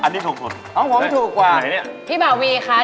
ที่ไหนนี่พี่บะวีคะถูกสุด